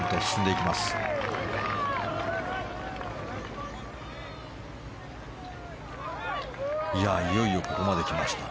いよいよここまで来ました。